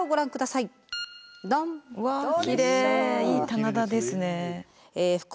いい棚田ですね。